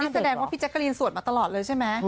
แสดงว่าพี่แจ๊กกะรีนสวดมาตลอดเลยใช่ไหม